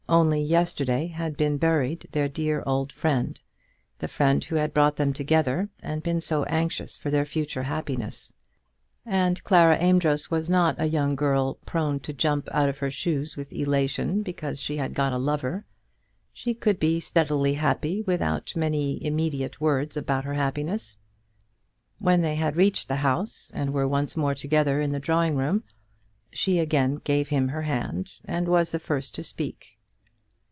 Only yesterday had been buried their dear old friend, the friend who had brought them together, and been so anxious for their future happiness! And Clara Amedroz was not a young girl, prone to jump out of her shoes with elation because she had got a lover. She could be steadily happy without many immediate words about her happiness. When they had reached the house, and were once more together in the drawing room, she again gave him her hand, and was the first to speak.